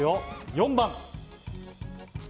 ４番。